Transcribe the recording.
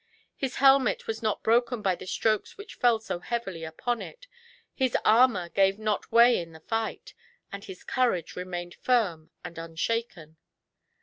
His helmet was not broken by the strokes which fell so heavily upon it, his armour gave not way in the fight, and his courage remained firm and unshaken.